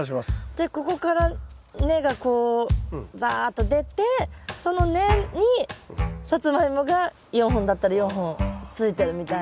でここから根がこうざっと出てその根にサツマイモが４本だったら４本ついてるみたいな。